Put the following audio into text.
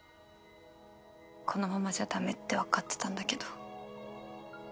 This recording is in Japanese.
このままじゃ駄目ってわかってたんだけど。